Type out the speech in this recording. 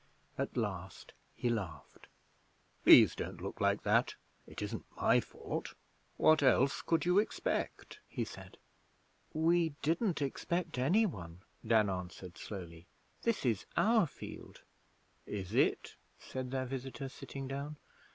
At last he laughed. 'Please don't look like that. It isn't my fault. What else could you expect?' he said. 'We didn't expect any one,' Dan answered, slowly. 'This is our field.' 'Is it?' said their visitor, sitting down.